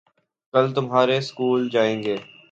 کل تمہارے سکول جائیں گے